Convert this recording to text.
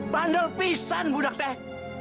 bandel pisan budak teh